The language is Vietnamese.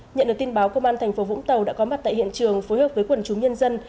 nhận được tin báo công an thành phố vũng tàu đã có mặt tại hiện trường phối hợp với quần chúng nhân dân